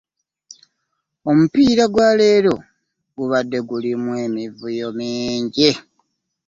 Omupiira gwa leero gubade gulimu emivuyo mingi.